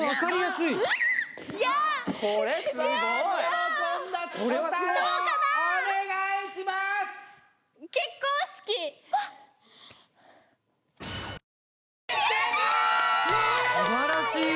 すばらしい。